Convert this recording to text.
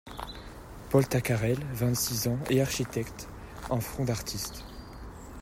Paul Tacarel , vingt-six ans… et architecte !… un front d’artiste !…